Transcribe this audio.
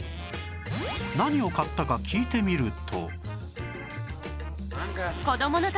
何を買ったか聞いてみると